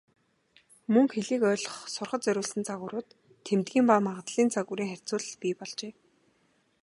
Мөн хэлийг ойлгох, сурахад зориулсан загварууд, тэмдгийн ба магадлалын загварын харьцуулал бий болжээ.